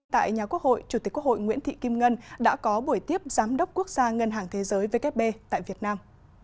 tại nhà quốc hội chủ tịch quốc hội nguyễn thị kim ngân đã có buổi tiếp giám đốc quốc gia ngân hàng thế giới vkp tại việt nam